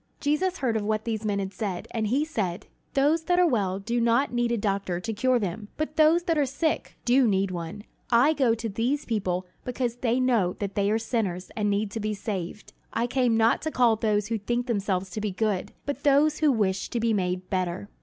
Jesus heard of what these men had said, and he said: "Those that are well do not need a doctor to cure them, but those that are sick do need one. I go to these people because they know that they are sinners and need to be saved. I came not to call those who think themselves to be good, but those who wish to be made better."